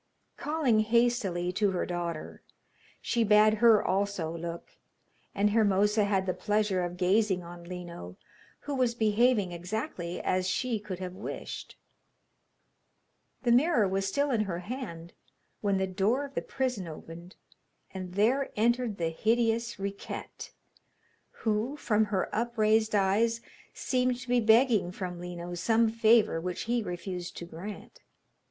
Calling hastily to her daughter, she bade her also look, and Hermosa had the pleasure of gazing on Lino, who was behaving exactly as she could have wished. The mirror was still in her hand when the door of the prison opened, and there entered the hideous Riquette, who, from her upraised eyes, seemed to be begging from Lino some favour which he refused to grant.